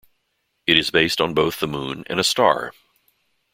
It is based on both the moon and a star.